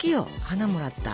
花もらった。